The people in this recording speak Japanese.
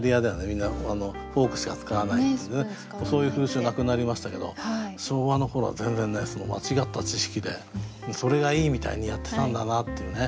みんなフォークしか使わないっていうそういう風習なくなりましたけど昭和の頃は全然ねその間違った知識でそれがいいみたいにやってたんだなっていうね。